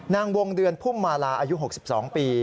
นางวงเดือนพุ่มมาลาอายุ๖๒ปี